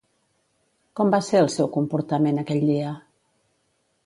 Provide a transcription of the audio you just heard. Com va ser el seu comportament aquell dia?